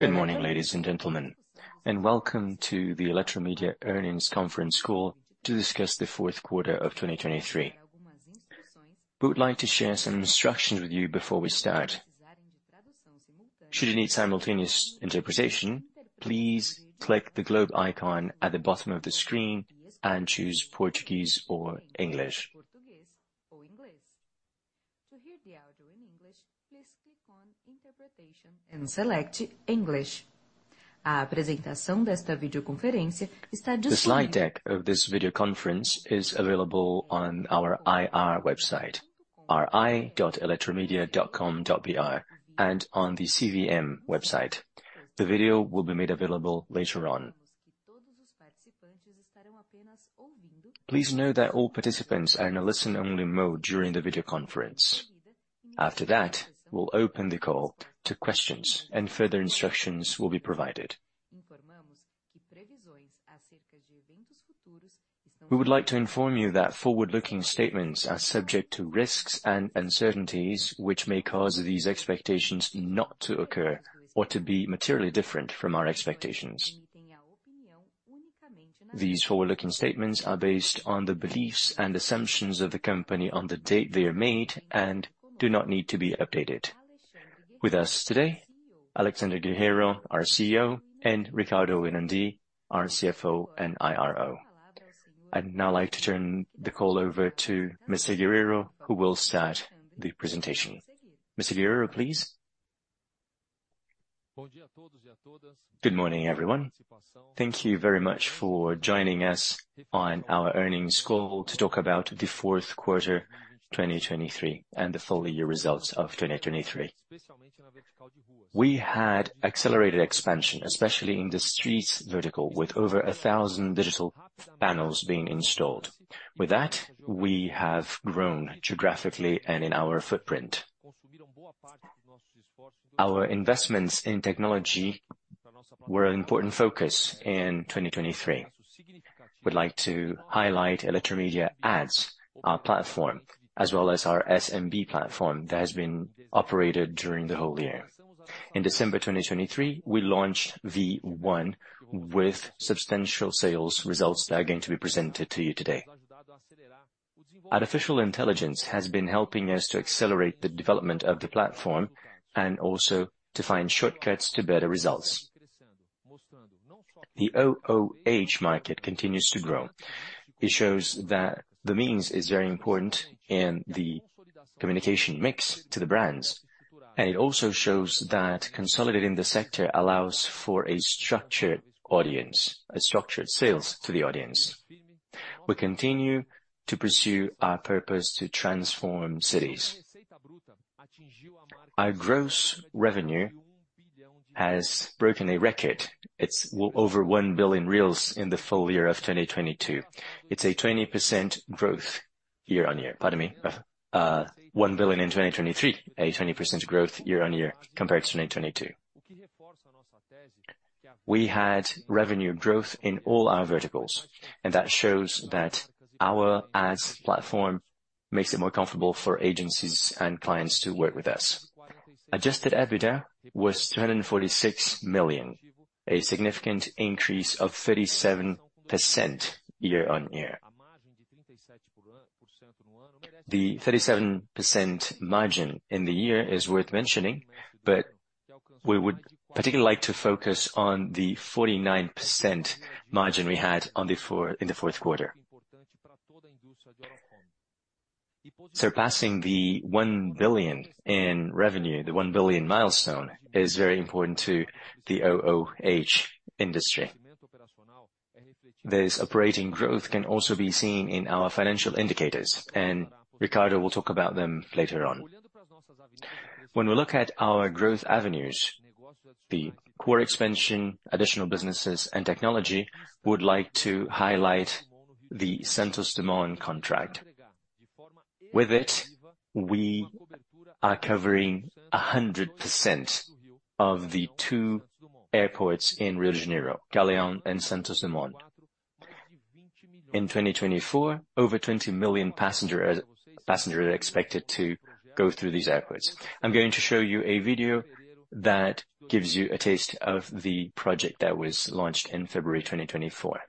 Good morning, ladies and gentlemen, and welcome to the Eletromidia Earnings Conference Call to discuss the Q4 of 2023. We would like to share some instructions with you before we start. Should you need simultaneous interpretation, please click the globe icon at the bottom of the screen and choose Portuguese or English. To hear the audio in English, please click on interpretation and select English. The slide deck of this video conference is available on our IR website, ri.eletromidia.com.br, and on the CVM website. The video will be made available later on. Please note that all participants are in a listen-only mode during the video conference. After that, we'll open the call to questions and further instructions will be provided. We would like to inform you that forward-looking statements are subject to risks and uncertainties, which may cause these expectations not to occur or to be materially different from our expectations. These forward-looking statements are based on the beliefs and assumptions of the company on the date they are made and do not need to be updated. With us today, Alexandre Guerrero, our CEO, and Ricardo Winandy, our CFO and IRO. I'd now like to turn the call over to Mr. Guerrero, who will start the presentation. Mr. Guerrero, please. Good morning, everyone. Thank you very much for joining us on our earnings call to talk about the Q4, 2023, and the full year results of 2023. We had accelerated expansion, especially in the streets vertical, with over 1,000 digital panels being installed. With that, we have grown geographically and in our footprint. Our investments in technology were an important focus in 2023. We'd like to highlight Eletromidia Ads, our platform, as well as our SMB platform that has been operated during the whole year. In December 2023, we launched V1 with substantial sales results that are going to be presented to you today. Artificial intelligence has been helping us to accelerate the development of the platform and also to find shortcuts to better results. The OOH market continues to grow. It shows that the medium is very important in the communication mix to the brands, and it also shows that consolidating the sector allows for a structured audience, a structured sales to the audience. We continue to pursue our purpose to transform cities. Our gross revenue has broken a record. It's over 1 billion in the full year of 2022. It's a 20% growth year-on-year. Pardon me, 1 billion in 2023, a 20% growth year-on-year compared to 2022. We had revenue growth in all our verticals, and that shows that our ads platform makes it more comfortable for agencies and clients to work with us. Adjusted EBITDA was 346 million, a significant increase of 37% year-on-year. The 37% margin in the year is worth mentioning, but we would particularly like to focus on the 49% margin we had in the Q4. Surpassing the 1 billion in revenue, the 1 billion milestone, is very important to the OOH industry. This operating growth can also be seen in our financial indicators, and Ricardo will talk about them later on. When we look at our growth avenues, the core expansion, additional businesses, and technology, would like to highlight the Santos Dumont contract. With it, we are covering 100% of the two airports in Rio de Janeiro, Galeão and Santos Dumont. In 2024, over 20 million passengers are expected to go through these airports. I'm going to show you a video that gives you a taste of the project that was launched in February 2024. ...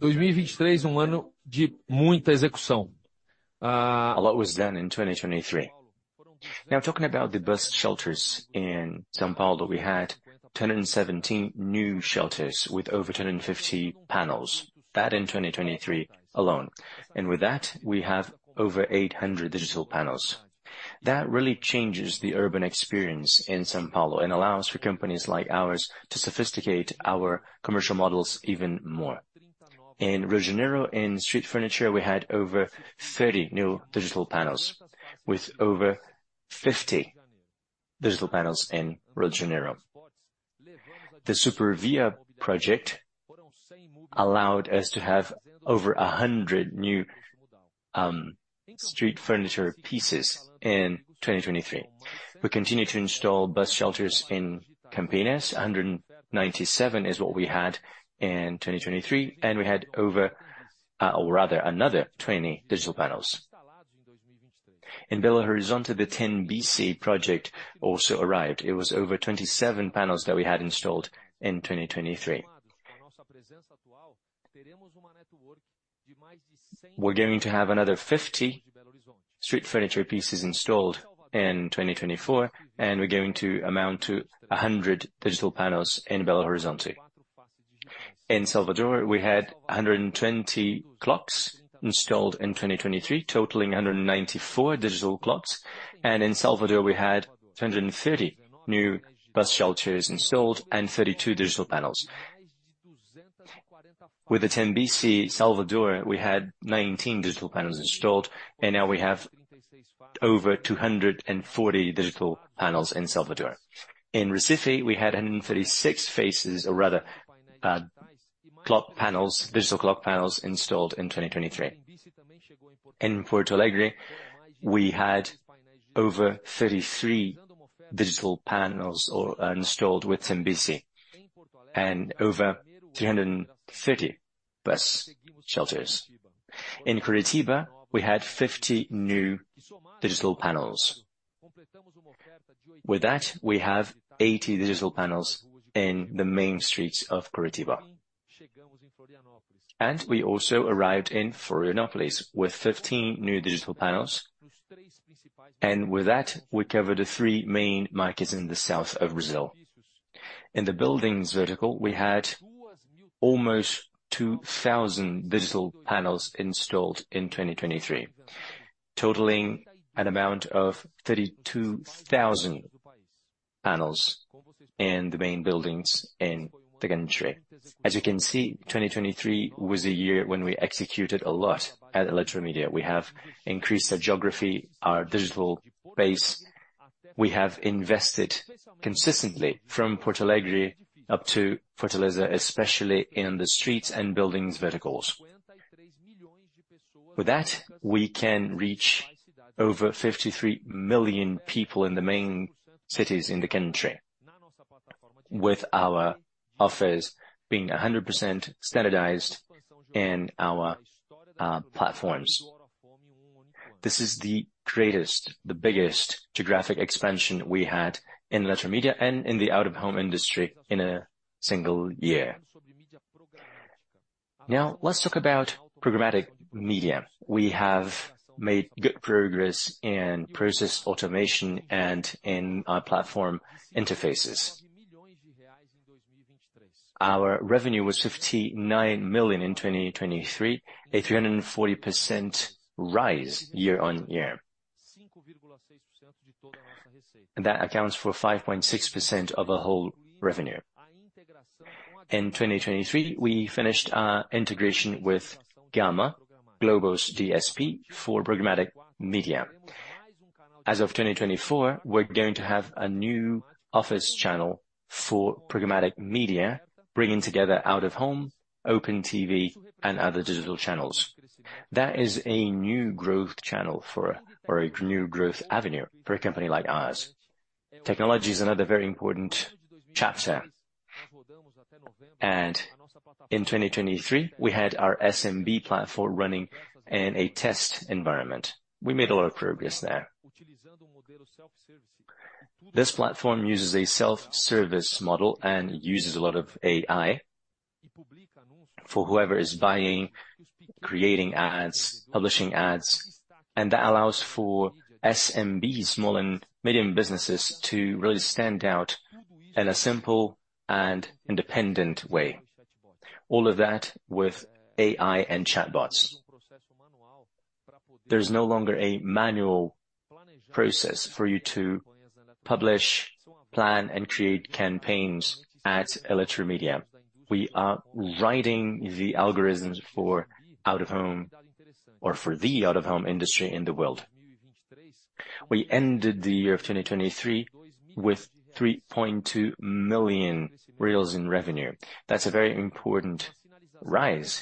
2023, ano de muita execução. A lot was done in 2023. Now, talking about the bus shelters in São Paulo, we had 217 new shelters with over 250 panels. That in 2023 alone, and with that, we have over 800 digital panels. That really changes the urban experience in São Paulo and allows for companies like ours to sophisticate our commercial models even more. In Rio de Janeiro, in street furniture, we had over 30 new digital panels, with over 50 digital panels in Rio de Janeiro. The SuperVia project allowed us to have over 100 new street furniture pieces in 2023. We continued to install bus shelters in Campinas. 197 is what we had in 2023, and we had over, or rather, another 20 digital panels. In Belo Horizonte, the Tembici project also arrived. It was over 27 panels that we had installed in 2023. We're going to have another 50 street furniture pieces installed in 2024, and we're going to amount to 100 digital panels in Belo Horizonte. In Salvador, we had 120 clocks installed in 2023, totaling 194 digital clocks, and in Salvador, we had 230 new bus shelters installed and 32 digital panels. With the Tembici Salvador, we had 19 digital panels installed, and now we have over 240 digital panels in Salvador. In Recife, we had 136 faces or rather, clock panels, digital clock panels installed in 2023. In Porto Alegre, we had over 33 digital panels or, installed with Tembici and over 330 bus shelters. In Curitiba, we had 50 new digital panels. With that, we have 80 digital panels in the main streets of Curitiba. And we also arrived in Florianópolis with 15 new digital panels, and with that, we covered the three main markets in the South of Brazil. In the buildings vertical, we had almost 2,000 digital panels installed in 2023, totaling an amount of 32,000 panels in the main buildings in the country. As you can see, 2023 was a year when we executed a lot at Eletromidia. We have increased our geography, our digital base. We have invested consistently from Porto Alegre up to Fortaleza, especially in the streets and buildings verticals. With that, we can reach over 53 million people in the main cities in the country, with our offers being 100% standardized in our platforms. This is the greatest, the biggest geographic expansion we had in Eletromidia and in the out-of-home industry in a single year. Now, let's talk about programmatic media. We have made good progress in process automation and in our platform interfaces. Our revenue was 59 million in 2023, a 340% rise year-on-year. That accounts for 5.6% of the whole revenue. In 2023, we finished our integration with Gama, Globo's DSP for programmatic media. As of 2024, we're going to have a new office channel for programmatic media, bringing together out-of-home, open TV, and other digital channels. That is a new growth channel for a-- or a new growth avenue for a company like ours. Technology is another very important chapter, and in 2023, we had our SMB platform running in a test environment. We made a lot of progress there. This platform uses a self-service model and uses a lot of AI for whoever is buying, creating ads, publishing ads, and that allows for SMB, small and medium businesses, to really stand out in a simple and independent way. All of that with AI and chatbots. There's no longer a manual process for you to publish, plan, and create campaigns at Eletromidia. We are writing the algorithms for out-of-home or for the out-of-home industry in the world. We ended the year of 2023 with 3.2 million reais in revenue. That's a very important rise,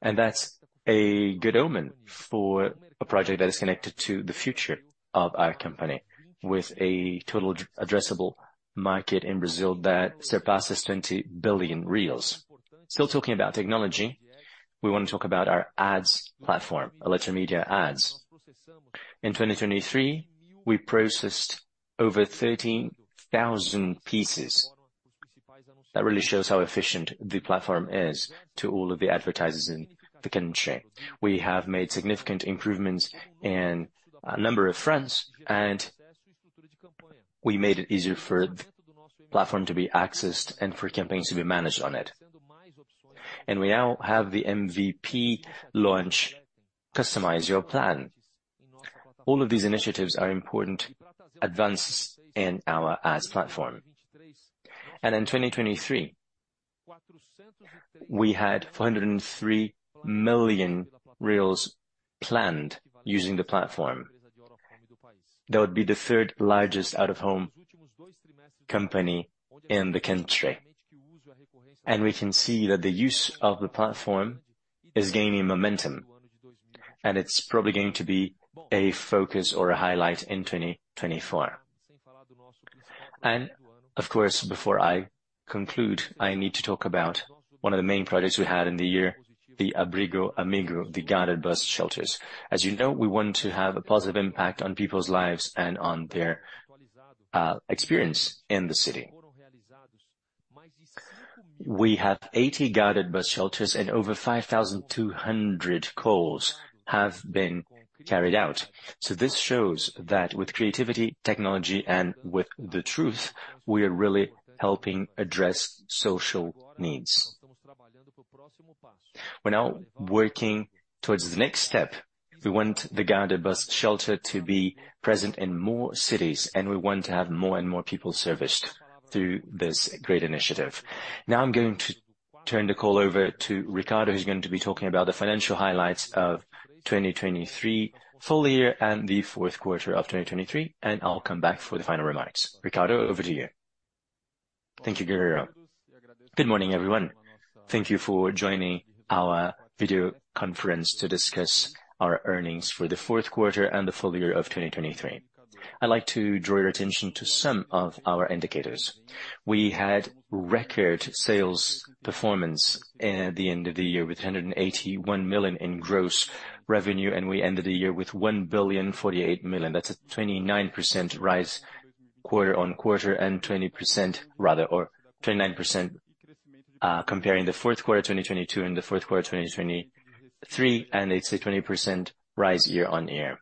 and that's a good omen for a project that is connected to the future of our company, with a total addressable market in Brazil that surpasses 20 billion reais. Still talking about technology, we want to talk about our ads platform, Eletromidia Ads. In 2023, we processed over 13,000 pieces. That really shows how efficient the platform is to all of the advertisers in the country. We have made significant improvements in a number of fronts, and we made it easier for the platform to be accessed and for campaigns to be managed on it. We now have the MVP launch, Customize Your Plan. All of these initiatives are important advances in our ads platform. In 2023, we had 403 million planned using the platform. That would be the third largest out-of-home company in the country. We can see that the use of the platform is gaining momentum, and it's probably going to be a focus or a highlight in 2024. Of course, before I conclude, I need to talk about one of the main projects we had in the year, the Abrigo Amigo, the guided bus shelters. As you know, we want to have a positive impact on people's lives and on their experience in the city. We have 80 guided bus shelters, and over 5,200 calls have been carried out. So this shows that with creativity, technology, and with the truth, we are really helping address social needs. We're now working towards the next step. We want the guided bus shelter to be present in more cities, and we want to have more and more people serviced through this great initiative. Now I'm going to turn the call over to Ricardo, who's going to be talking about the financial highlights of 2023 full year and the Q4 of 2023, and I'll come back for the final remarks. Ricardo, over to you. Thank you, Guerrero. Good morning, everyone. Thank you for joining our video conference to discuss our earnings for the Q4 and the full year of 2023. I'd like to draw your attention to some of our indicators. We had record sales performance at the end of the year, with 181 million in gross revenue, and we ended the year with 1,048 million. That's a 29% rise quarter-on-quarter and 20% rather, or 29%, comparing the Q4 of 2022 and the Q4 of 2023, and it's a 20% rise year-on-year.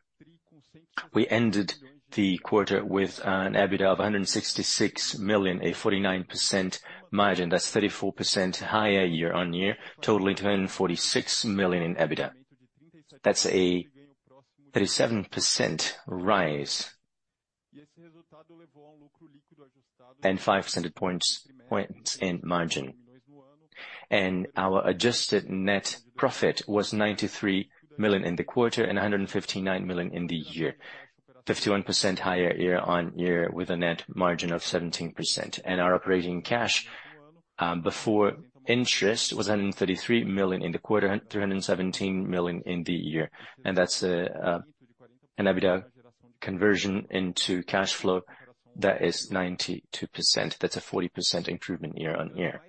We ended the quarter with an EBITDA of 166 million, a 49% margin that's 34% higher year-on-year, totaling 46 million in EBITDA. That's a 37% rise and 5 percentage points in margin. And our adjusted net profit was 93 million in the quarter and 159 million in the year. 51% higher year-on-year with a net margin of 17%. Our operating cash before interest was 133 million in the quarter, 317 million in the year, and that's an EBITDA conversion into cash flow that is 92%. That's a 40% improvement year-on-year.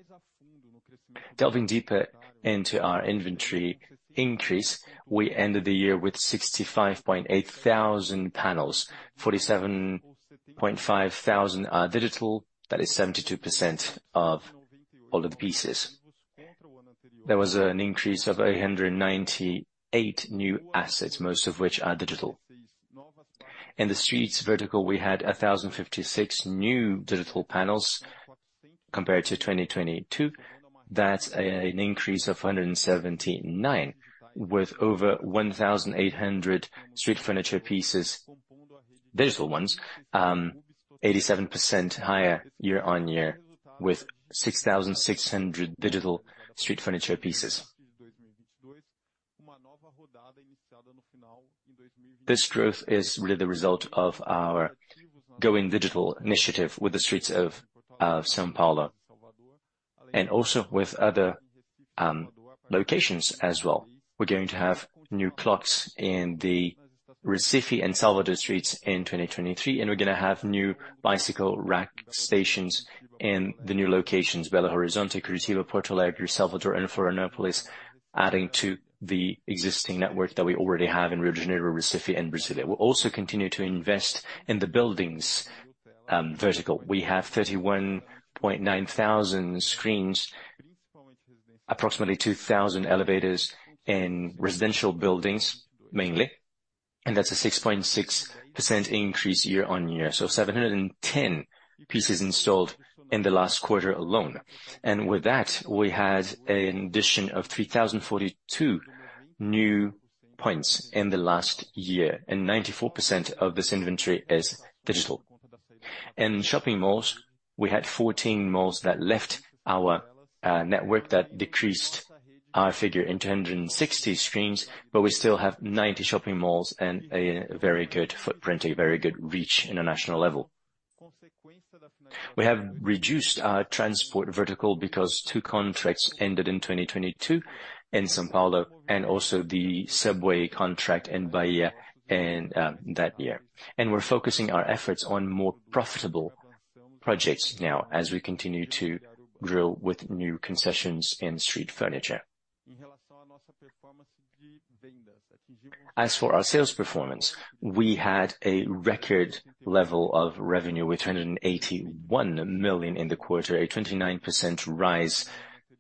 Delving deeper into our inventory increase, we ended the year with 65,800 panels, 47,500 are digital. That is 72% of all of the pieces. There was an increase of 898 new assets, most of which are digital. In the streets vertical, we had 1,056 new digital panels compared to 2022. That's an increase of 179, with over 1,800 street furniture pieces, digital ones, 87% higher year-on-year, with 6,600 digital street furniture pieces. This growth is really the result of our going digital initiative with the streets of São Paulo and also with other locations as well. We're going to have new clocks in the Recife and Salvador streets in 2023, and we're gonna have new bicycle rack stations in the new locations, Belo Horizonte, Curitiba, Porto Alegre, Salvador and Florianópolis, adding to the existing network that we already have in Rio de Janeiro, Recife and Brasília. We'll also continue to invest in the buildings vertical. We have 31,900 screens, approximately 2,000 elevators in residential buildings, mainly, and that's a 6.6% increase year-on-year. So 710 pieces installed in the last quarter alone. And with that, we had an addition of 3,042 new points in the last year, and 94% of this inventory is digital. In shopping malls, we had 14 malls that left our network. That decreased our figure in 260 screens, but we still have 90 shopping malls and a very good footprint, a very good reach in a national level. We have reduced our transport vertical because two contracts ended in 2022 in São Paulo and also the subway contract in Bahia in that year. We're focusing our efforts on more profitable projects now as we continue to grow with new concessions in street furniture. As for our sales performance, we had a record level of revenue with 281 million in the quarter, a 29% rise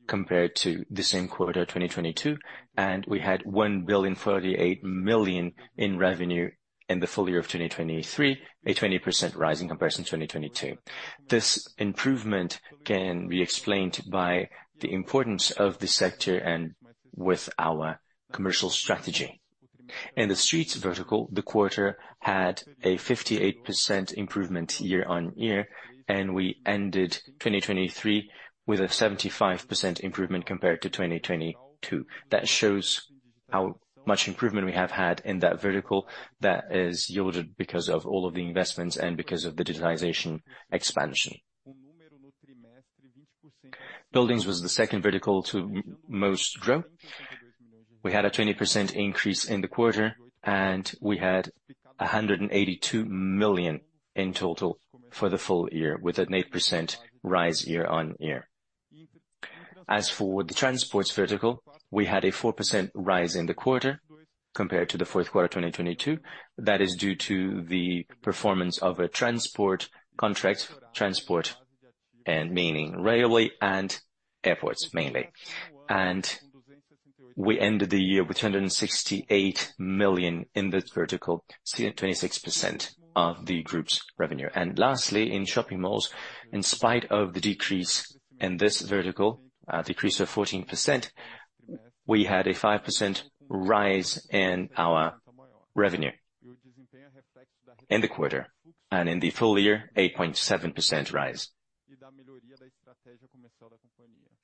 compared to the same quarter, 2022, and we had 1,038 million in revenue in the full year of 2023, a 20% rise in comparison to 2022. This improvement can be explained by the importance of the sector and with our commercial strategy. In the streets vertical, the quarter had a 58% improvement year-on-year, and we ended 2023 with a 75% improvement compared to 2022. That shows how much improvement we have had in that vertical, that is yielded because of all of the investments and because of the digitization expansion. Buildings was the second vertical to most grow. We had a 20% increase in the quarter, and we had 182 million in total for the full year, with an 8% rise year-on-year. As for the transports vertical, we had a 4% rise in the quarter compared to the Q4 2022. That is due to the performance of a transport contract, transport and meaning railway and airports, mainly. We ended the year with 268 million in this vertical, 26% of the group's revenue. Lastly, in shopping malls, in spite of the decrease in this vertical, a decrease of 14%, we had a 5% rise in our revenue in the quarter, and in the full year, 8.7% rise.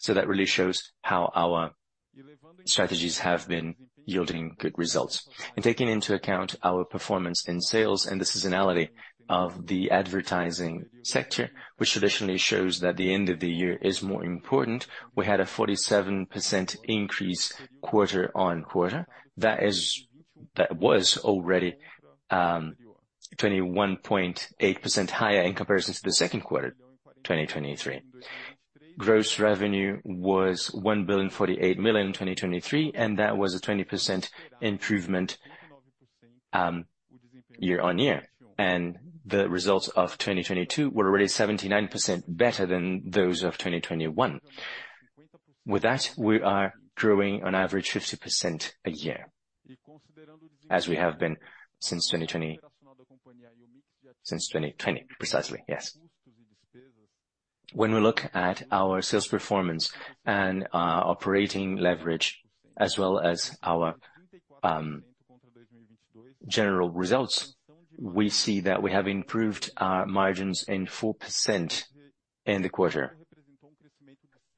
That really shows how our strategies have been yielding good results. Taking into account our performance in sales and the seasonality of the advertising sector, which traditionally shows that the end of the year is more important, we had a 47% increase quarter on quarter. That was already 21.8% higher in comparison to the Q2, 2023. Gross revenue was 1,048 million in 2023, and that was a 20% improvement year on year. The results of 2022 were already 79% better than those of 2021. With that, we are growing on average 50% a year, as we have been since 2020, precisely, yes. When we look at our sales performance and operating leverage, as well as our general results, we see that we have improved our margins in 4% in the quarter.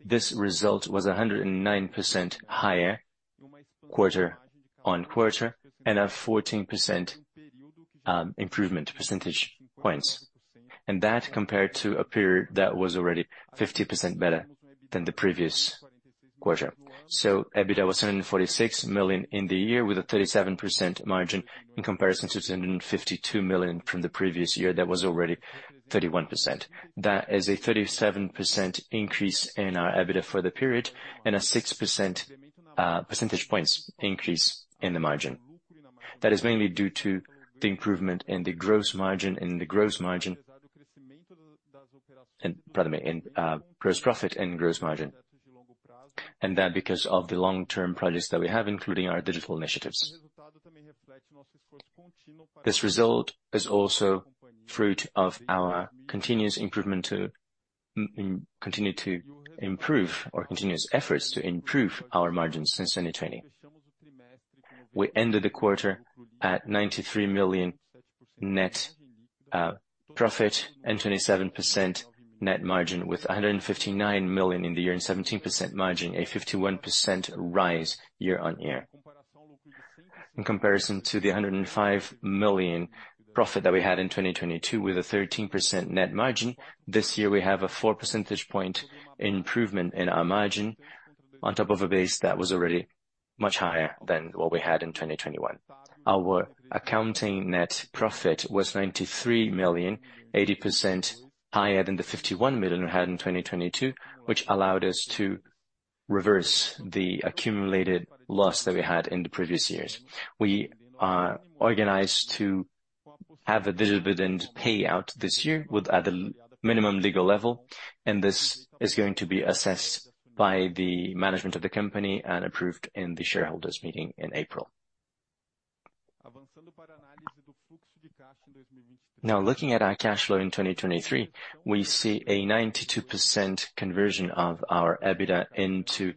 This result was 109% higher quarter-over-quarter, and a 14 percentage points improvement, and that compared to a period that was already 50% better than the previous quarter. EBITDA was 746 million in the year, with a 37% margin in comparison to 752 million from the previous year, that was already 31%. That is a 37% increase in our EBITDA for the period and a 6 percentage points increase in the margin. That is mainly due to the improvement in the gross margin, and the gross margin. And, pardon me, in gross profit and gross margin, and that because of the long-term projects that we have, including our digital initiatives. This result is also fruit of our continuous improvement to continue to improve or continuous efforts to improve our margins since 2020. We ended the quarter at 93 million net profit and 27% net margin, with 159 million in the year, and 17% margin, a 51% rise year-on-year. In comparison to the 105 million profit that we had in 2022, with a 13% net margin, this year, we have a four percentage point improvement in our margin on top of a base that was already much higher than what we had in 2021. Our accounting net profit was 93 million, 80% higher than the 51 million we had in 2022, which allowed us to reverse the accumulated loss that we had in the previous years. We are organized to have a dividend payout this year with, at the minimum legal level, and this is going to be assessed by the management of the company and approved in the shareholders' meeting in April. Now, looking at our cash flow in 2023, we see a 92% conversion of our EBITDA into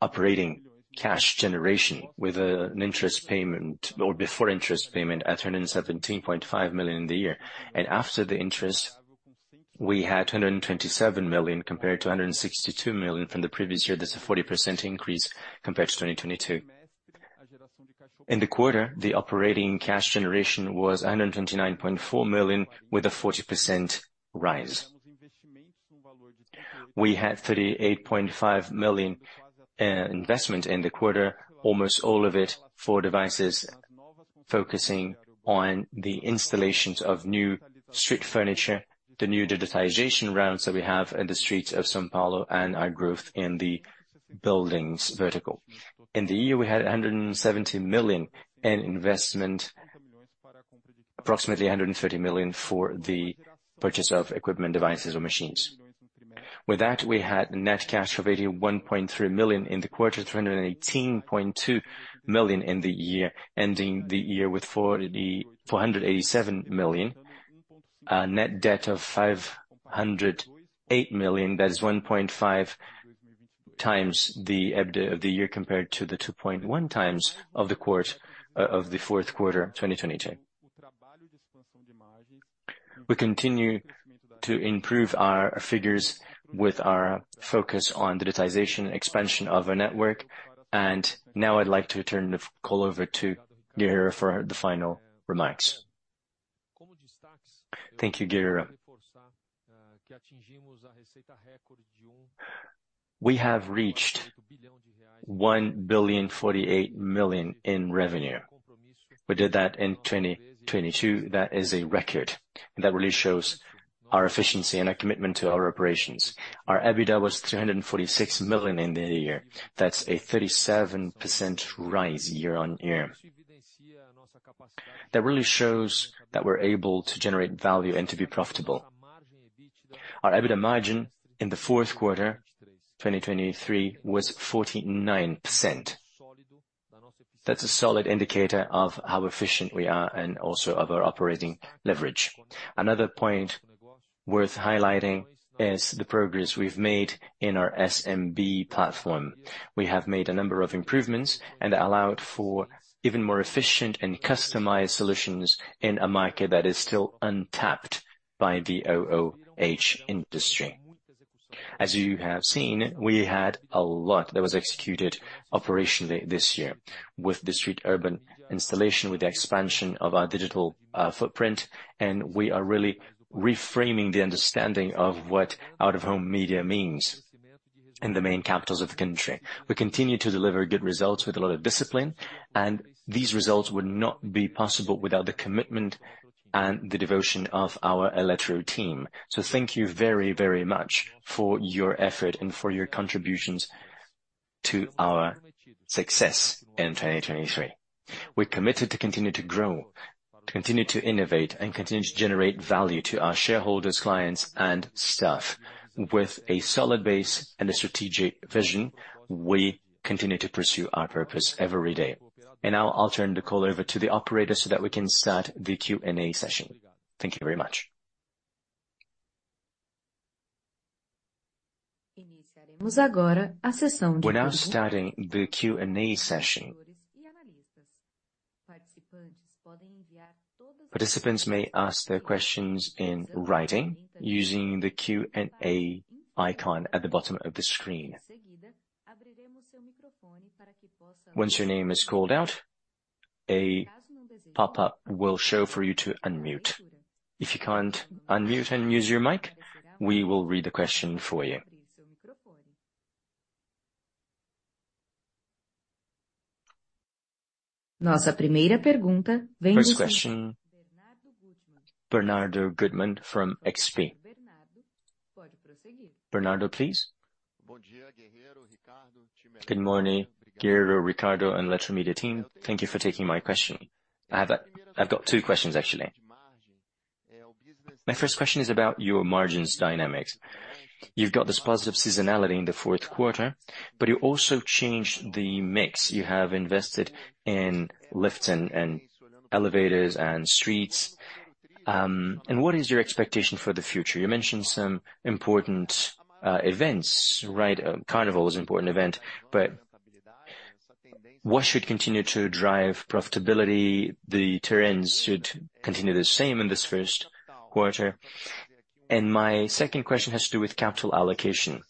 operating cash generation with an interest payment or before interest payment at 317 million in the year. And after the interest, we had 227 million, compared to 162 million from the previous year. That's a 40% increase compared to 2022. In the quarter, the operating cash generation was 129.4 million, with a 40% rise. We had 38.5 million investment in the quarter, almost all of it for focusing on the installations of new street furniture, the new digitization rounds that we have in the streets of São Paulo, and our growth in the buildings vertical. In the year, we had 170 million in investment, approximately 130 million for the purchase of equipment, devices, or machines. With that, we had net cash of 81.3 million in the quarter, 318.2 million in the year, ending the year with 447 million, net debt of 508 million. That is 1.5x the EBITDA of the year, compared to the 2.1x of the Q4, 2022. We continue to improve our figures with our focus on digitization, expansion of our network. Now I'd like to turn the call over to Guerrero for the final remarks. Thank you, Guerrero. We have reached 1,048 million in revenue. We did that in 2022. That is a record, and that really shows our efficiency and our commitment to our operations. Our EBITDA was 346 million in the year. That's a 37% rise year-on-year. That really shows that we're able to generate value and to be profitable. Our EBITDA margin in the Q4, 2023, was 49%. That's a solid indicator of how efficient we are and also of our operating leverage. Another point worth highlighting is the progress we've made in our SMB platform. We have made a number of improvements and allowed for even more efficient and customized solutions in a market that is still untapped by the OOH industry. As you have seen, we had a lot that was executed operationally this year with the street urban installation, with the expansion of our digital footprint, and we are really reframing the understanding of what out-of-home media means in the main capitals of the country. We continue to deliver good results with a lot of discipline, and these results would not be possible without the commitment and the devotion of our Eletromidia team. So thank you very, very much for your effort and for your contributions to our success in 2023. We're committed to continue to grow, to continue to innovate, and continue to generate value to our shareholders, clients, and staff. With a solid base and a strategic vision, we continue to pursue our purpose every day. And now I'll turn the call over to the operator so that we can start the Q&A session. Thank you very much. We're now starting the Q&A session. Participants may ask their questions in writing, using the Q&A icon at the bottom of the screen. Once your name is called out, a pop-up will show for you to unmute. If you can't unmute and use your mic, we will read the question for you. First question, Bernardo Guttmann from XP. Bernardo, please. Good morning, Guerrero, Ricardo, and Eletromidia team. Thank you for taking my question. I have a- I've got two questions, actually. My first question is about your margins dynamics. You've got this positive seasonality in the Q4, but you also changed the mix. You have invested in lifts and, and elevators and streets. And what is your expectation for the future? You mentioned some important events, right? Carnival is an important event, but what should continue to drive profitability? The trends should continue the same in this Q1. My second question has to do with capital allocation.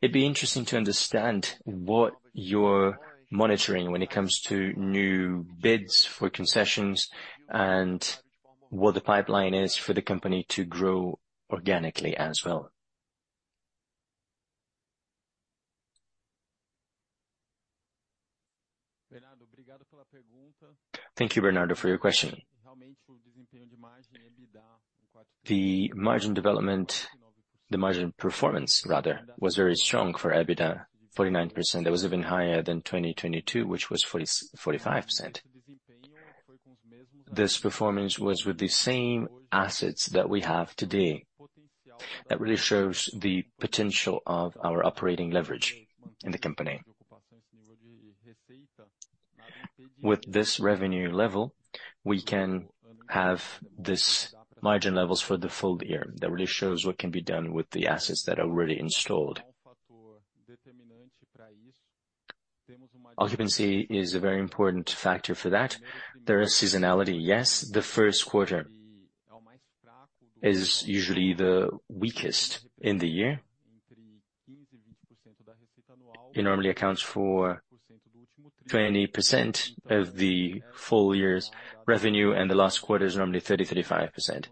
It'd be interesting to understand what you're monitoring when it comes to new bids for concessions and what the pipeline is for the company to grow organically as well. Thank you, Bernardo, for your question. The margin development, the margin performance, rather, was very strong for EBITDA, 49%. That was even higher than 2022, which was 45%. This performance was with the same assets that we have today. That really shows the potential of our operating leverage in the company. With this revenue level, we can have this margin levels for the full year. That really shows what can be done with the assets that are already installed. Occupancy is a very important factor for that. There is seasonality, yes. The Q1 is usually the weakest in the year. It normally accounts for 20% of the full year's revenue, and the last quarter is normally 30%-35%.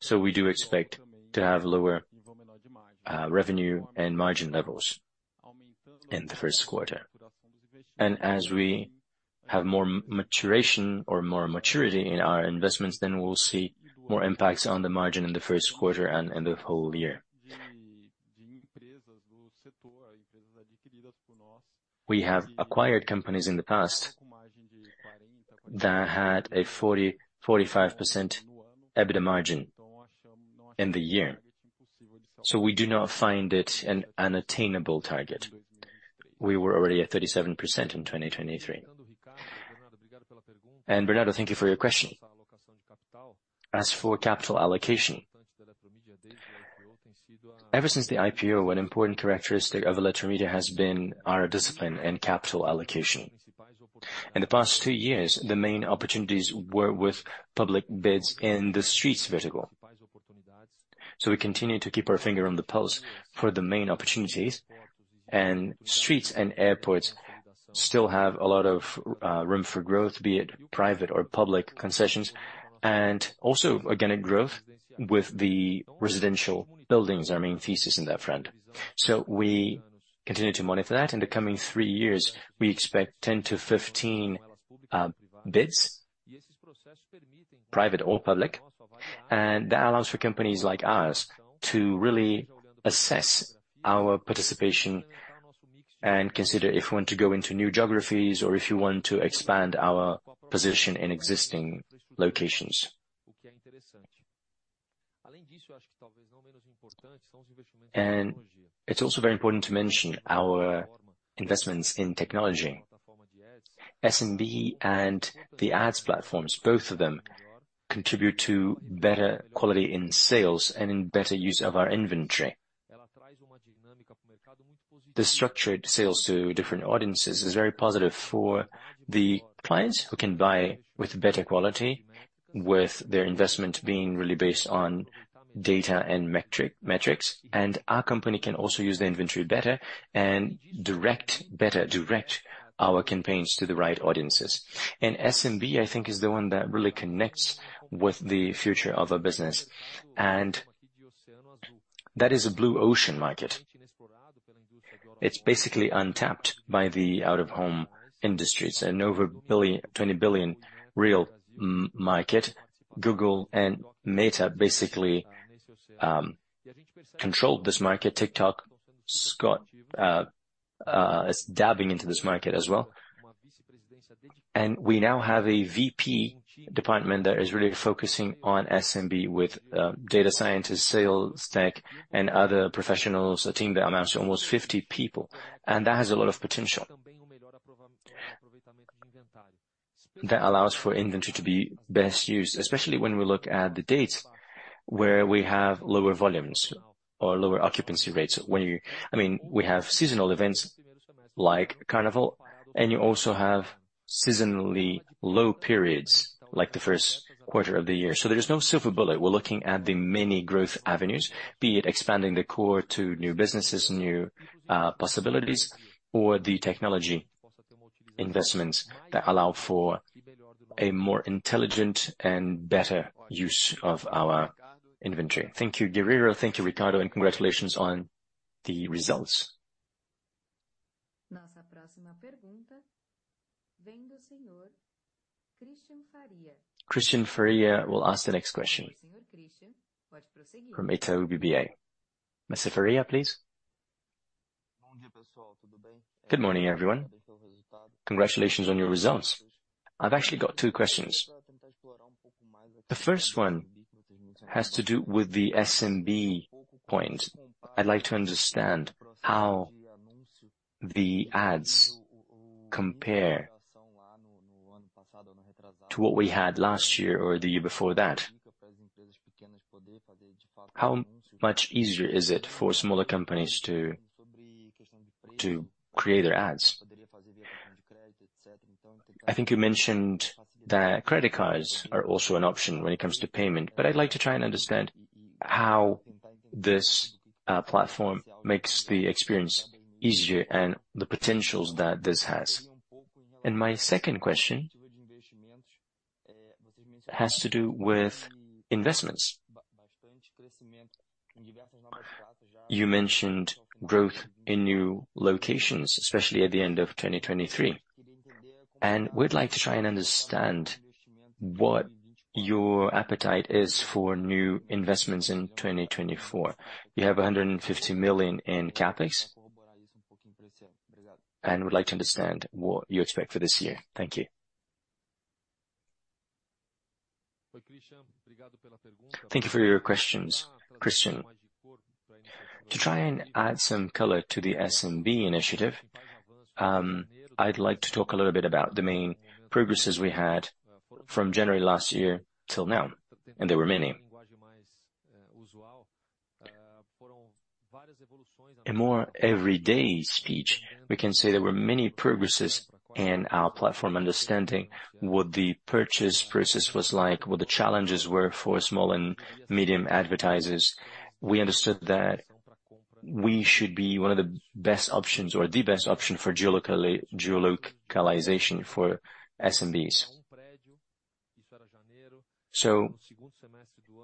So we do expect to have lower revenue and margin levels in the Q1. And as we have more maturation or more maturity in our investments, then we'll see more impacts on the margin in the Q1 and in the whole year. We have acquired companies in the past that had a 40%-45% EBITDA margin in the year, so we do not find it an unattainable target. We were already at 37% in 2023. And Bernardo, thank you for your question. As for capital allocation, ever since the IPO, an important characteristic of Eletromidia has been our discipline and capital allocation. In the past two years, the main opportunities were with public bids in the streets vertical. So we continue to keep our finger on the pulse for the main opportunities, and streets and airports still have a lot of room for growth, be it private or public concessions, and also organic growth with the residential buildings, our main thesis in that front. So we continue to monitor that. In the coming three years, we expect 10-15 bids, private or public, and that allows for companies like ours to really assess our participation and consider if we want to go into new geographies, or if we want to expand our position in existing locations. And it's also very important to mention our investments in technology. SMB and the ads platforms, both of them, contribute to better quality in sales and in better use of our inventory. The structured sales to different audiences is very positive for the clients who can buy with better quality, with their investment being really based on data and metrics, and our company can also use the inventory better and direct better, direct our campaigns to the right audiences. SMB, I think, is the one that really connects with the future of our business, and that is a blue ocean market. It's basically untapped by the out-of-home industries, a 20 billion real market. Google and Meta basically controlled this market. TikTok is dabbing into this market as well. And we now have a VP department that is really focusing on SMB with data scientists, sales tech, and other professionals, a team that amounts to almost 50 people, and that has a lot of potential. That allows for inventory to be best used, especially when we look at the dates where we have lower volumes or lower occupancy rates. When I mean, we have seasonal events like Carnival, and you also have seasonally low periods, like the Q1 of the year. So there is no silver bullet. We're looking at the many growth avenues, be it expanding the core to new businesses, new possibilities, or the technology investments that allow for a more intelligent and better use of our inventory. Thank you, Guerrero. Thank you, Ricardo, and congratulations on the results. Christian Faria will ask the next question from Itaú BBA. Mr. Faria, please. Good morning, everyone. Congratulations on your results. I've actually got two questions. The first one has to do with the SMB point. I'd like to understand how the ads compare to what we had last year or the year before that. How much easier is it for smaller companies to create their ads? I think you mentioned that credit cards are also an option when it comes to payment, but I'd like to try and understand how this platform makes the experience easier and the potentials that this has. And my second question has to do with investments. You mentioned growth in new locations, especially at the end of 2023, and we'd like to try and understand what your appetite is for new investments in 2024. You have 150 million in CapEx, and we'd like to understand what you expect for this year. Thank you. Thank you for your questions, Christian. To try and add some color to the SMB initiative, I'd like to talk a little bit about the main progresses we had from January last year till now, and there were many. In more everyday speech, we can say there were many progresses in our platform, understanding what the purchase process was like, what the challenges were for small and medium advertisers. We understood that we should be one of the best options or the best option for geolocalization for SMBs. So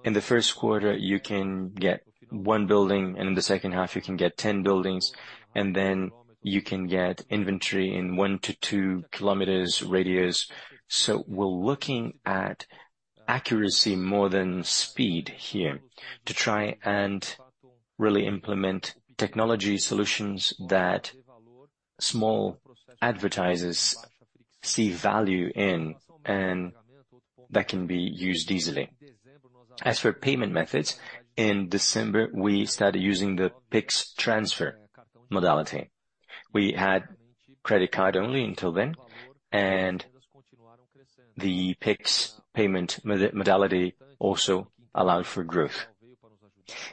in the Q1, you can get one building, and in the second half, you can get ten buildings, and then you can get inventory in one to two kilometers radius. So we're looking at accuracy more than speed here, to try and really implement technology solutions that small advertisers see value in and that can be used easily. As for payment methods, in December, we started using the Pix transfer modality. We had credit card only until then, and the Pix payment modality also allowed for growth.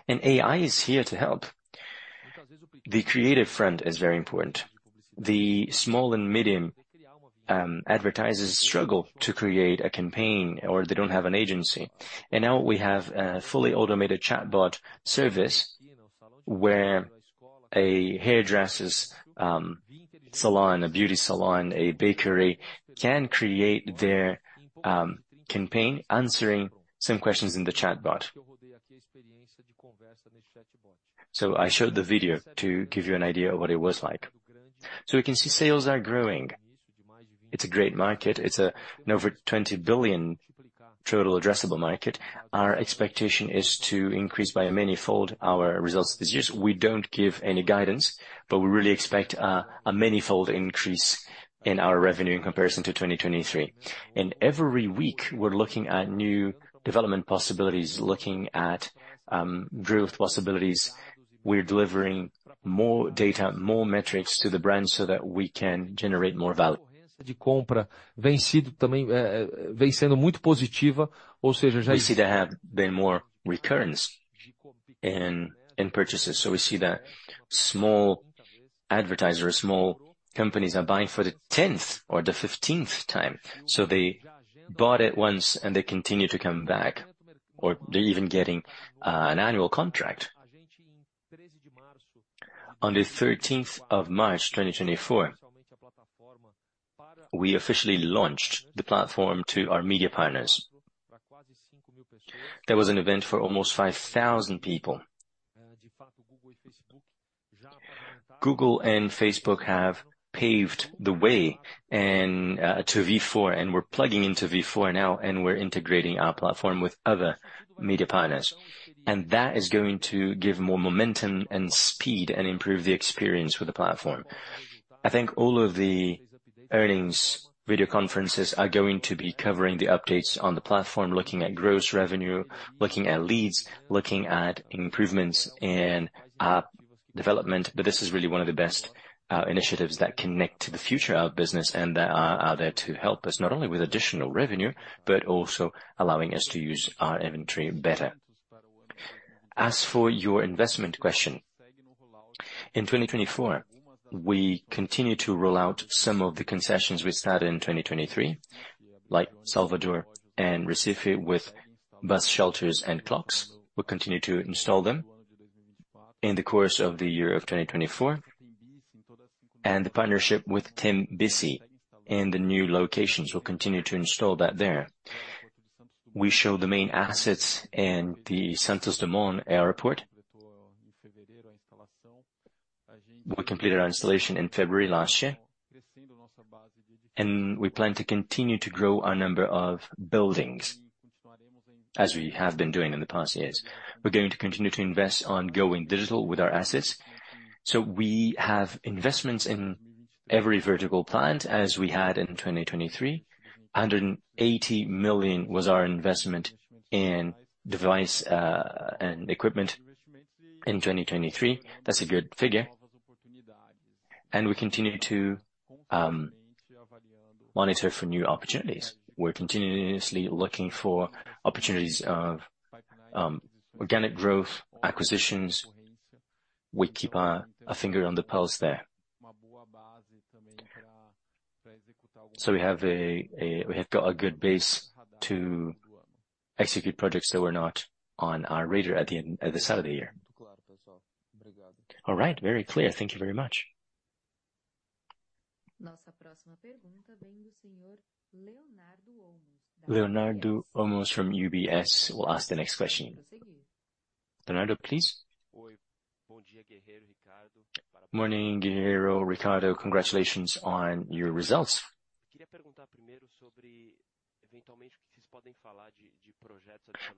AI is here to help. The creative front is very important. The small and medium advertisers struggle to create a campaign, or they don't have an agency. Now we have a fully automated chatbot service, where a hairdresser's salon, a beauty salon, a bakery, can create their campaign, answering some questions in the chatbot. I showed the video to give you an idea of what it was like. We can see sales are growing. It's a great market. It's over 20 billion total addressable market. Our expectation is to increase by a manifold our results this year. We don't give any guidance, but we really expect a manifold increase in our revenue in comparison to 2023. Every week, we're looking at new development possibilities, looking at growth possibilities. We're delivering more data, more metrics to the brand so that we can generate more value. We see there have been more recurrence in purchases, so we see that small advertisers, small companies, are buying for the 10th or the 15th time. They bought it once, and they continue to come back, or they're even getting an annual contract. On the 13th of March, 2024, we officially launched the platform to our media partners. There was an event for almost 5,000 people. Google and Facebook have paved the way and to V4, and we're plugging into V4 now, and we're integrating our platform with other media partners. That is going to give more momentum and speed and improve the experience with the platform. I think all of the earnings video conferences are going to be covering the updates on the platform, looking at gross revenue, looking at leads, looking at improvements in app development. This is really one of the best initiatives that connect to the future of business and that are there to help us, not only with additional revenue, but also allowing us to use our inventory better. As for your investment question, in 2024, we continue to roll out some of the concessions we started in 2023, like Salvador and Recife, with bus shelters and clocks. We'll continue to install them in the course of the year of 2024, and the partnership with Tembici in the new locations, we'll continue to install that there. We show the main assets in the Santos Dumont Airport. We completed our installation in February last year, and we plan to continue to grow our number of buildings, as we have been doing in the past years. We're going to continue to invest on going digital with our assets. So we have investments in every vertical planned, as we had in 2023. 180 million was our investment in devices and equipment in 2023. That's a good figure. And we continue to monitor for new opportunities. We're continuously looking for opportunities of organic growth, acquisitions. We keep our finger on the pulse there. So we have a good base to execute projects that were not on our radar at the start of the year. All right, very clear. Thank you very much. Leonardo Olmos from UBS BB will ask the next question. Leonardo, please. Morning, Guerrero, Ricardo. Congratulations on your results.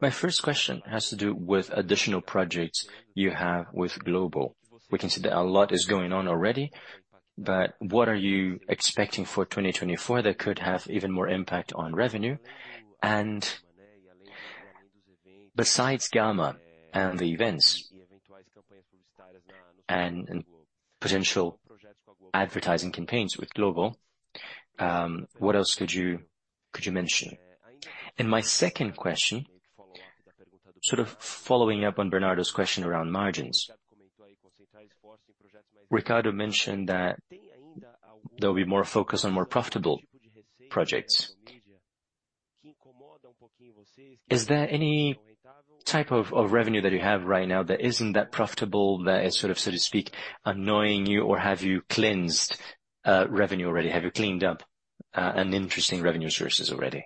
My first question has to do with additional projects you have with Globo. We can see that a lot is going on already, but what are you expecting for 2024 that could have even more impact on revenue? And besides Gama and the events and potential advertising campaigns with Globo, what else could you mention? And my second question, sort of following up on Bernardo's question around margins, Ricardo mentioned that there'll be more focus on more profitable projects. Is there any type of revenue that you have right now that isn't that profitable, that is sort of, so to speak, annoying you? Or have you cleansed revenue already? Have you cleaned up uninteresting revenue sources already?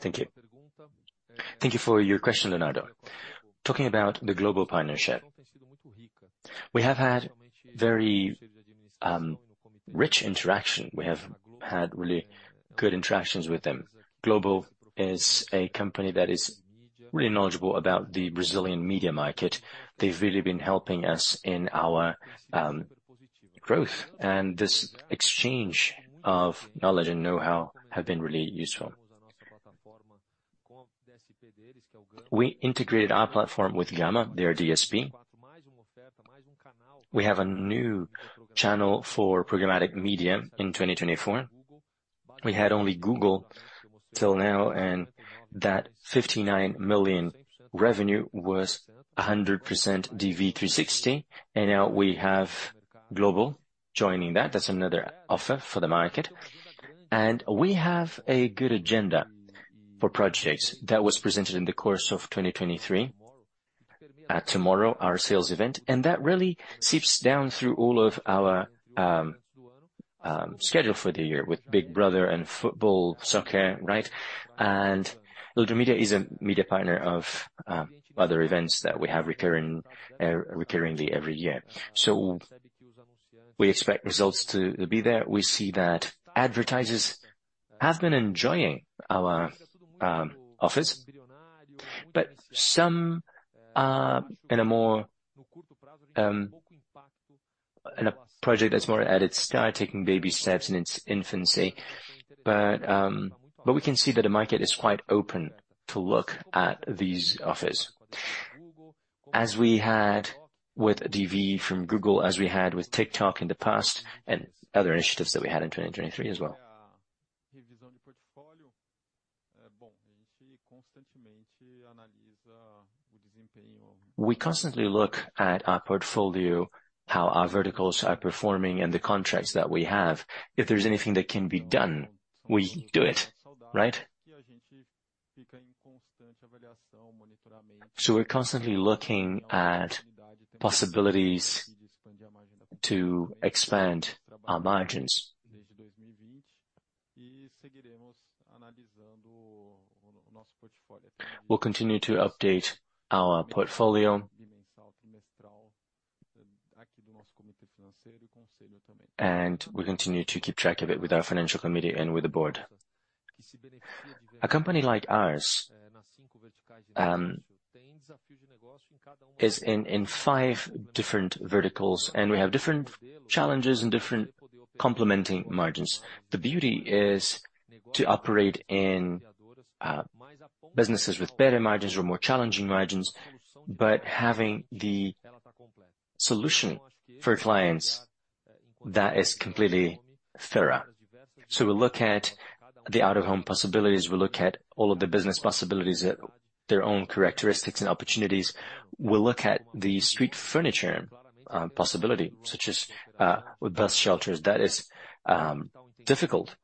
Thank you. Thank you for your question, Leonardo. Talking about the Globo partnership, we have had very rich interaction. We have had really good interactions with them. Globo is a company that is really knowledgeable about the Brazilian media market. They've really been helping us in our growth, and this exchange of knowledge and know-how have been really useful. We integrated our platform with Gama, their DSP. We have a new channel for programmatic media in 2024. We had only Google till now, and that 59 million revenue was 100% DV360, and now we have Globo joining that. That's another offer for the market. And we have a good agenda for projects that was presented in the course of 2023, at Tomorrow, our sales event. And that really seeps down through all of our schedule for the year with Big Brother and football, soccer, right? Eletromidia is a media partner of other events that we have recurring, recurringly every year. So we expect results to be there. We see that advertisers have been enjoying our offers, but some are in a more in a project that's more at its start, taking baby steps in its infancy. But, but we can see that the market is quite open to look at these offers. As we had with DV from Google, as we had with TikTok in the past, and other initiatives that we had in 2023 as well. We constantly look at our portfolio, how our verticals are performing, and the contracts that we have. If there's anything that can be done, we do it, right? So we're constantly looking at possibilities to expand our margins. We'll continue to update our portfolio, and we'll continue to keep track of it with our financial committee and with the board. A company like ours is in five different verticals, and we have different challenges and different complementing margins. The beauty is to operate in businesses with better margins or more challenging margins, but having the solution for clients, that is completely thorough. So we look at the out-of-home possibilities, we look at all of the business possibilities, their own characteristics and opportunities. We'll look at the street furniture possibility, such as with bus shelters. That is difficult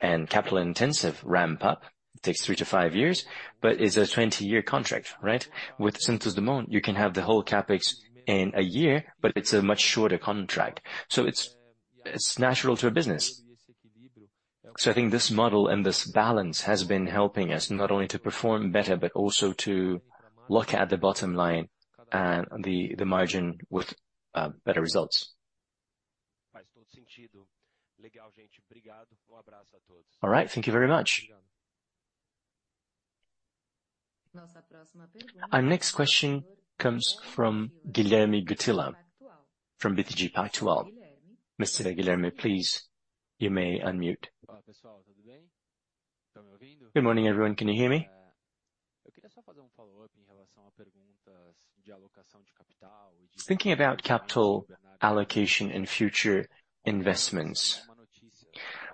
and capital-intensive ramp-up. It takes 3-5 years, but it's a 20-year contract, right? With Santos Dumont, you can have the whole CapEx in a 1 year, but it's a much shorter contract, so it's natural to a business. I think this model and this balance has been helping us not only to perform better, but also to look at the bottom line and the margin with better results. All right. Thank you very much. Our next question comes from Guilherme Guttilla from BTG Pactual. Mr. Guilherme, please, you may unmute. Good morning, everyone. Can you hear me? Thinking about capital allocation and future investments,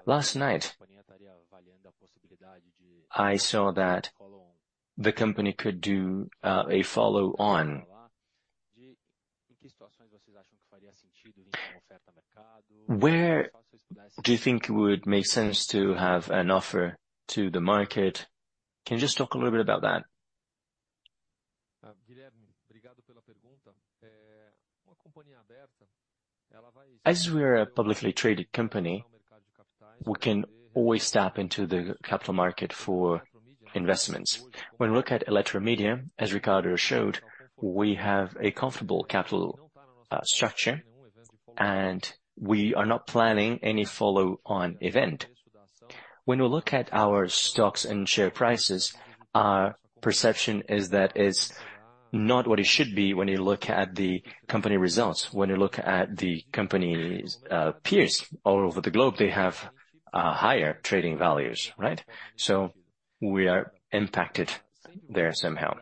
last night, I saw that the company could do a follow-on. Where do you think it would make sense to have an offer to the market? Can you just talk a little bit about that? As we are a publicly traded company, we can always tap into the capital market for investments. When we look at Eletromidia, as Ricardo showed, we have a comfortable capital structure, and we are not planning any follow-on event. When we look at our stocks and share prices, our perception is that it's not what it should be when you look at the company results. When you look at the company's peers all over the globe, they have higher trading values, right? So we are impacted there somehow.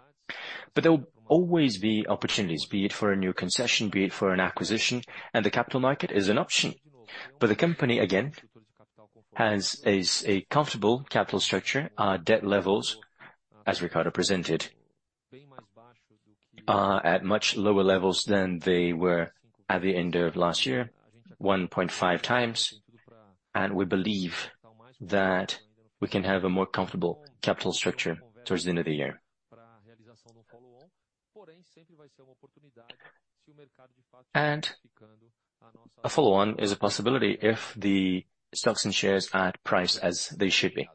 But there will always be opportunities, be it for a new concession, be it for an acquisition, and the capital market is an option. But the company, again, has a comfortable capital structure, our debt levels, as Ricardo presented, are at much lower levels than they were at the end of last year, 1.5 times, and we believe that we can have a more comfortable capital structure towards the end of the year. A follow-on is a possibility if the stocks and shares are priced as they should be.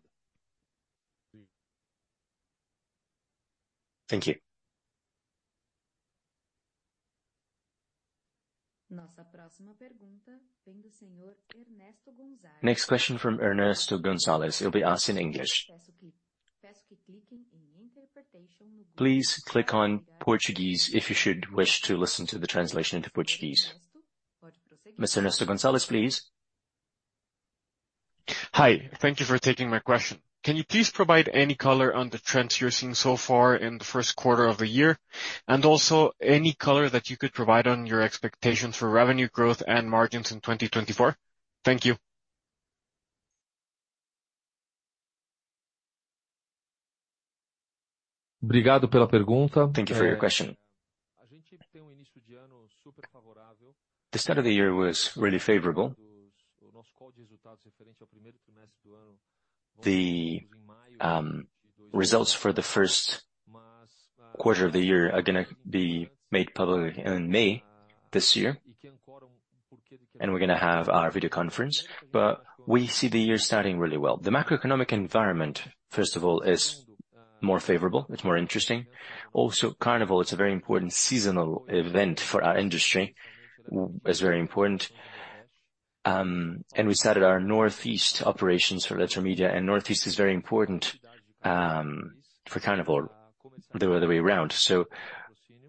Thank you. Next question from Ernesto Gonzalez. It'll be asked in English. Please click on Portuguese if you should wish to listen to the translation into Portuguese. Mr. Ernesto Gonzalez, please. Hi, thank you for taking my question. Can you please provide any color on the trends you're seeing so far in the Q1 of the year, and also any color that you could provide on your expectations for revenue growth and margins in 2024? Thank you. Thank you for your question. The start of the year was really favorable. The results for the Q1 of the year are gonna be made public in May this year, and we're gonna have our video conference. But we see the year starting really well. The macroeconomic environment, first of all, is more favorable. It's more interesting. Also, Carnival, it's a very important seasonal event for our industry, it's very important. And we started our Northeast operations for Eletromidia, and Northeast is very important for Carnival, the other way around. So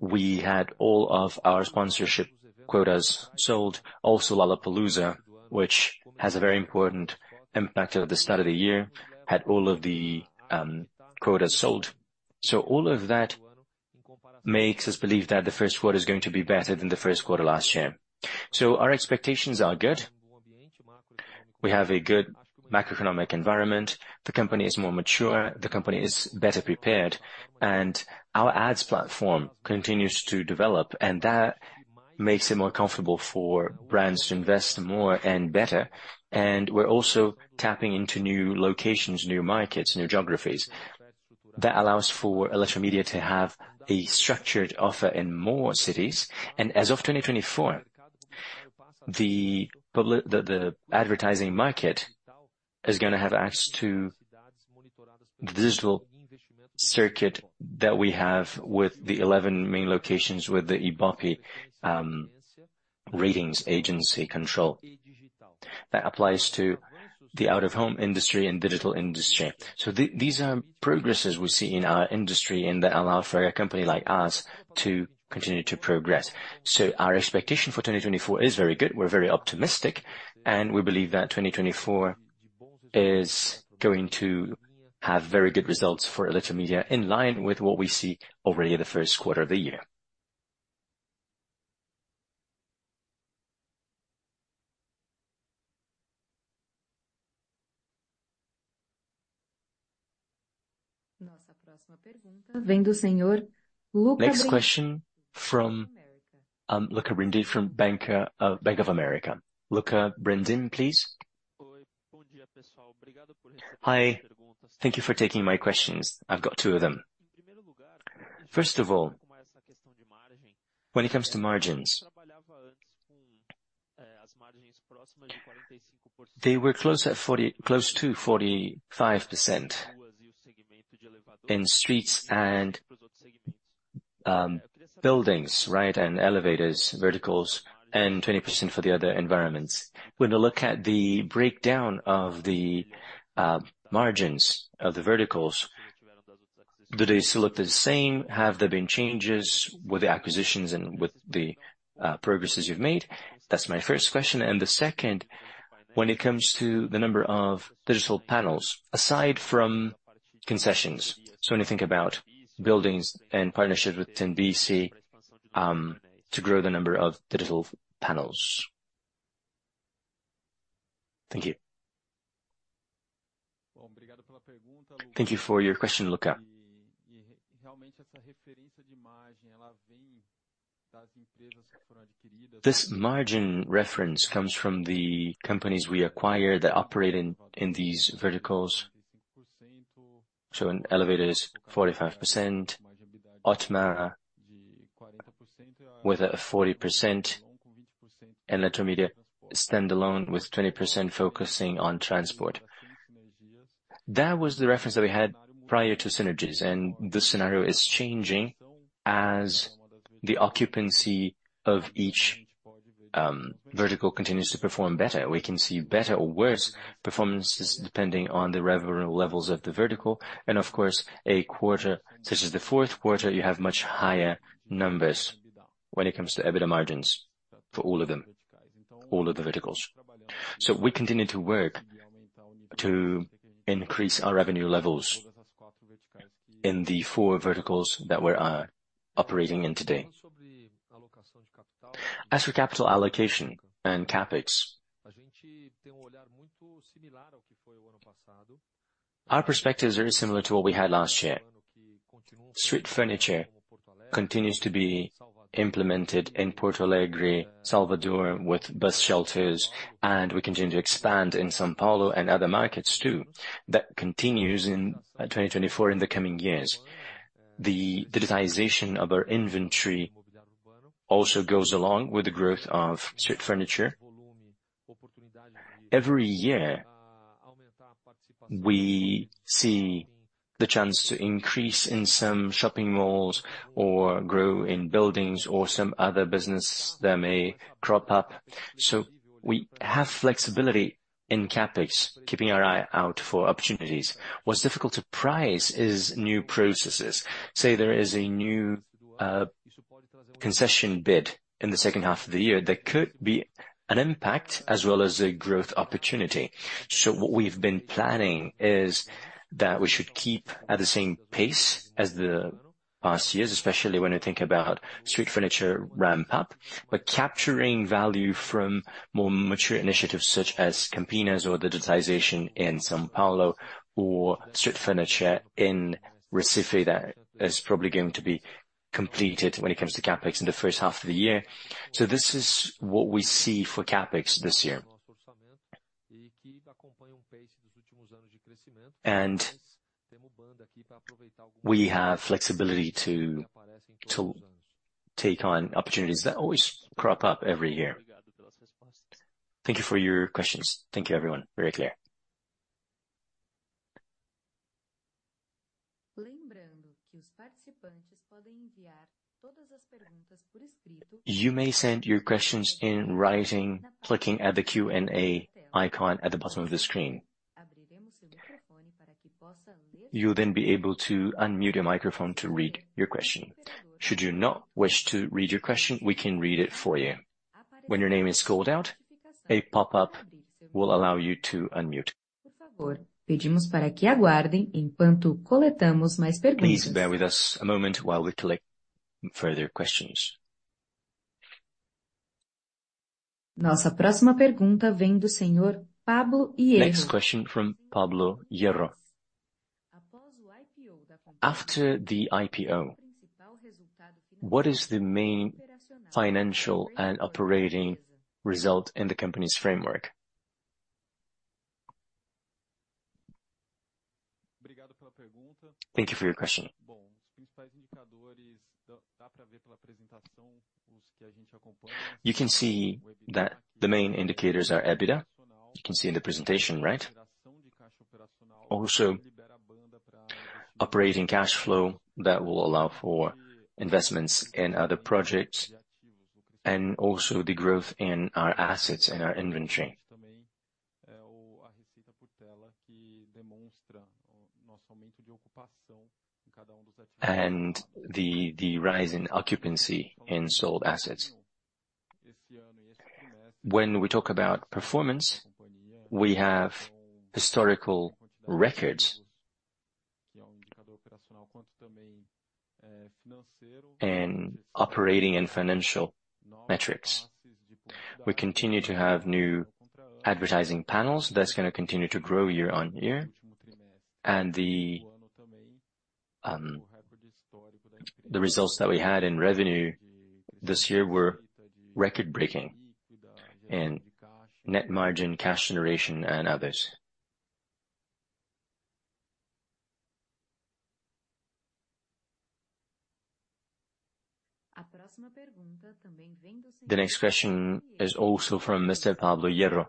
we had all of our sponsorship quotas sold. Also Lollapalooza, which has a very important impact at the start of the year, had all of the quotas sold. So all of that makes us believe that the Q1 is going to be better than the Q1 last year. So our expectations are good. We have a good macroeconomic environment, the company is more mature, the company is better prepared, and our ads platform continues to develop, and that makes it more comfortable for brands to invest more and better. And we're also tapping into new locations, new markets, new geographies. That allows for Eletromidia to have a structured offer in more cities. And as of 2024, the advertising market is gonna have access to the digital circuit that we have with the 11 main locations, with the Ibope ratings agency control. That applies to the out-of-home industry and digital industry. These are progresses we see in our industry and that allow for a company like ours to continue to progress. So our expectation for 2024 is very good. We're very optimistic, and we believe that 2024 is going to have very good results for Eletromidia, in line with what we see already in the Q1 of the year. Next question from Luca Bordin, from Bank of America. Luca Bordin, please. Hi, thank you for taking my questions. I've got two of them. First of all, when it comes to margins, they were close at 40%, close to 45% in streets and, buildings, right, and elevators, verticals, and 20% for the other environments. When you look at the breakdown of the, margins of the verticals, do they still look the same? Have there been changes with the acquisitions and with the, progresses you've made? That's my first question. And the second, when it comes to the number of digital panels, aside from concessions, so when you think about buildings and partnerships with Tembici, to grow the number of digital panels. Thank you. Thank you for your question, Luca. This margin reference comes from the companies we acquired that operate in these verticals. So in elevators, 45%, Ótima with a 40%, and Eletromidia standalone with 20% focusing on transport. That was the reference that we had prior to synergies, and the scenario is changing as the occupancy of each vertical continues to perform better. We can see better or worse performances depending on the revenue levels of the vertical. And of course, a quarter, such as the Q4, you have much higher numbers when it comes to EBITDA margins for all of them, all of the verticals. So we continue to work to increase our revenue levels in the four verticals that we're operating in today. As for capital allocation and CapEx. Our perspective is very similar to what we had last year. Street furniture continues to be implemented in Porto Alegre, Salvador, with bus shelters, and we continue to expand in São Paulo and other markets, too. That continues in 2024, in the coming years. The digitization of our inventory also goes along with the growth of street furniture. Every year, we see the chance to increase in some shopping malls or grow in buildings or some other business that may crop up. So we have flexibility in CapEx, keeping our eye out for opportunities. What's difficult to price is new processes. Say, there is a new concession bid in the second half of the year, there could be an impact as well as a growth opportunity. So what we've been planning is that we should keep at the same pace as the past years, especially when you think about street furniture ramp up, but capturing value from more mature initiatives, such as Campinas or digitization in São Paulo or street furniture in Recife, that is probably going to be completed when it comes to CapEx in the first half of the year. This is what we see for CapEx this year. We have flexibility to take on opportunities that always crop up every year. Thank you for your questions. Thank you, everyone. Very clear. You may send your questions in writing, clicking at the Q&A icon at the bottom of the screen. You'll then be able to unmute your microphone to read your question. Should you not wish to read your question, we can read it for you. When your name is called out, a pop-up will allow you to unmute. Please bear with us a moment while we collect further questions. Next question from Pablo Hierro. After the IPO, what is the main financial and operating result in the company's framework? Thank you for your question. You can see that the main indicators are EBITDA. You can see in the presentation, right? Also, operating cash flow that will allow for investments in other projects, and also the growth in our assets and our inventory. And the rise in occupancy in sold assets. When we talk about performance, we have historical records in operating and financial metrics. We continue to have new advertising panels. That's gonna continue to grow year-on-year. And the results that we had in revenue this year were record-breaking in net margin, cash generation, and others. The next question is also from Mr. Pablo Hierro.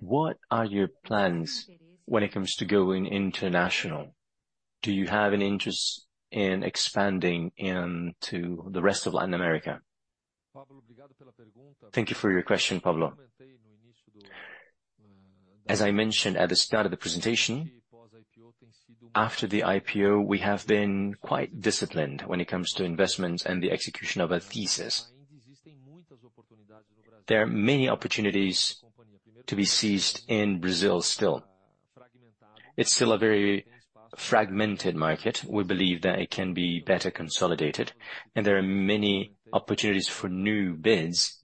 What are your plans when it comes to going international? Do you have an interest in expanding into the rest of Latin America? Thank you for your question, Pablo. As I mentioned at the start of the presentation, after the IPO, we have been quite disciplined when it comes to investments and the execution of our thesis. There are many opportunities to be seized in Brazil still. It's still a very fragmented market. We believe that it can be better consolidated, and there are many opportunities for new bids.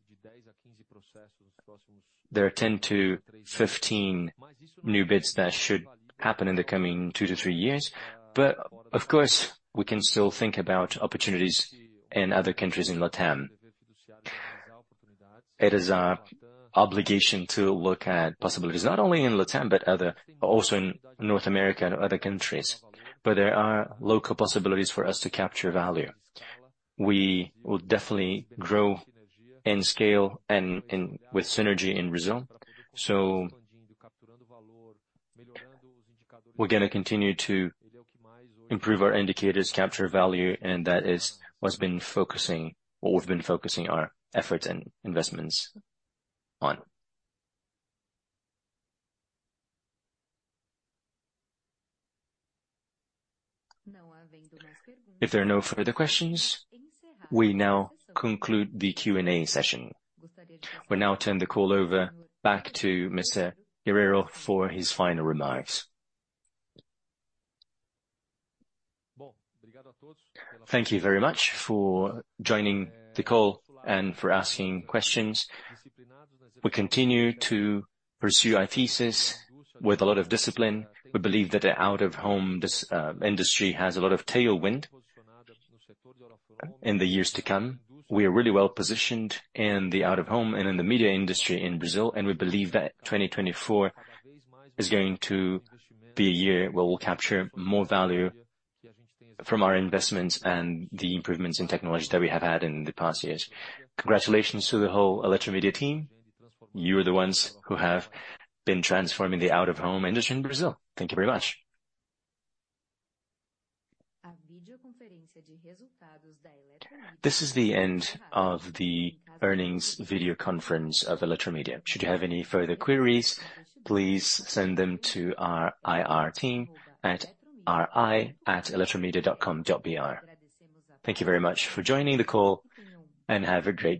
There are 10-15 new bids that should happen in the coming 2-3 years. But of course, we can still think about opportunities in other countries in Latam. It is our obligation to look at possibilities, not only in Latam but other also in North America and other countries, but there are local possibilities for us to capture value. We will definitely grow in scale and in with synergy in Brazil. So we're gonna continue to improve our indicators, capture value, and that is what's been focusing what we've been focusing our efforts and investments on. If there are no further questions, we now conclude the Q&A session. We now turn the call over back to Mr. Guerrero for his final remarks. Thank you very much for joining the call and for asking questions. We continue to pursue our thesis with a lot of discipline. We believe that the out-of-home industry has a lot of tailwind in the years to come. We are really well positioned in the out-of-home and in the media industry in Brazil, and we believe that 2024 is going to be a year where we'll capture more value from our investments and the improvements in technologies that we have had in the past years. Congratulations to the whole Eletromidia team. You are the ones who have been transforming the out-of-home industry in Brazil. Thank you very much. This is the end of the earnings video conference of Eletromidia. Should you have any further queries, please send them to our IR team at ri@eletromidia.com.br. Thank you very much for joining the call, and have a great day.